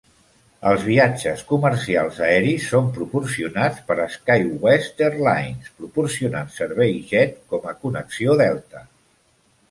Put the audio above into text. Els viatges comercials aeris són proporcionats per SkyWest Airlines, proporcionant servei Jet com a connexió Delta.